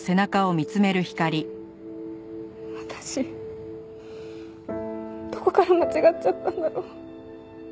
私どこから間違っちゃったんだろう。